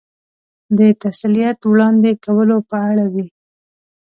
د تسلیت وړاندې کولو په اړه وې.